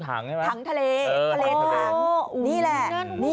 ถังทะเล